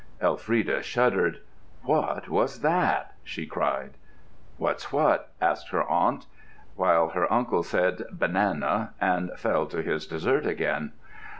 Elfrida shuddered. "What was that?" she cried. "What's what?" asked her aunt; while her uncle said "Banana," and fell to his dessert again.